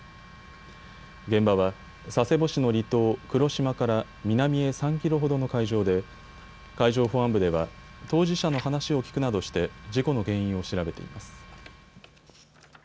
現場は佐世保市の離島、黒島から南へ３キロほどの海上で海上保安部では当事者の話を聞くなどして事故の原因を調べています。